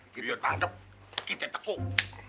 kalo dia tangkep kita tepuk